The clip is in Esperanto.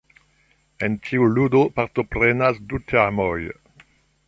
En tiu ludo partoprenas du teamoj.